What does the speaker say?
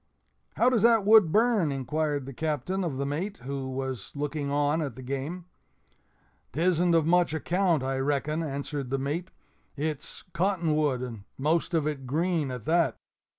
"How does that wood burn?" inquired the Captain of the mate, who was looking on at the game. "'Tisn't of much account, I reckon," answered the mate; "it's cotton wood, and most of it green at that."